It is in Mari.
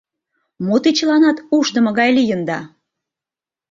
Мо те чыланат ушдымо гай лийында?